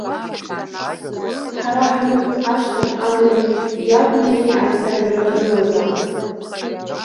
Ҳара ҳанықәҵ ашьҭахь адырҩегьх иаби иареи аицәажәара рымазаарын.